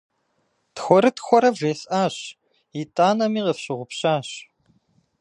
Тхуэрытхуэрэ вжесӏащ, итӏанэми къыфщыгъупщащ.